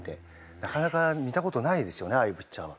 なかなか見た事ないですよねああいうピッチャーは。